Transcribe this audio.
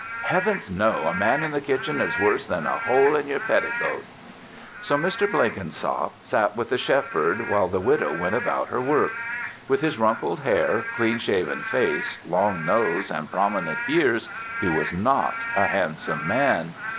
Heavens, no! A man in the kitchen is worse than a hole in yer petticoat." So Mr. Blenkinsop sat with the Shepherd while the widow went about her work. With his rumpled hair, clean shaven face, long nose and prominent ears, he was not a handsome man.